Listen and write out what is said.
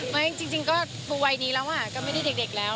ไม่จริงก็ปูวัยนี้แล้วก็ไม่ได้เด็กแล้ว